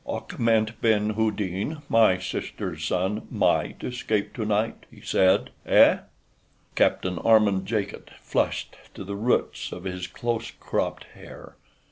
"Achmet ben Houdin, my sister's son, MIGHT escape tonight," he said. "Eh?" Captain Armand Jacot flushed to the roots of his close cropped hair.